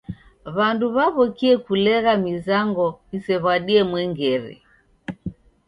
W'andu w'aw'okie kulegha mizango isew'adie mwengere.